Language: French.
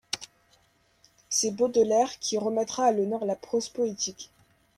C’est Baudelaire qui remettra à l’honneur la prose poétique.